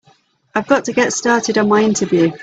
I've got to get started on my interview.